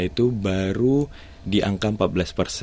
untuk mengembangkan energi terbarukan di indonesia